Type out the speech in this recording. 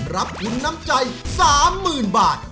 รับทุนน้ำใจ๓๐๐๐บาท